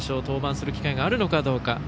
登板する機会があるのかどうか。